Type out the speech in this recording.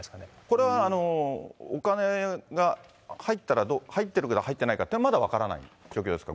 これはお金が入ったら、入ってるか入ってないかっていうのはまだ分からない状況ですか？